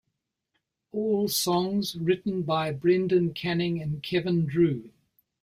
All songs written by Brendan Canning and Kevin Drew.